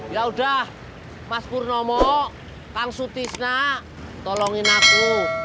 yaudah mas purnomo kang sutisna tolongin aku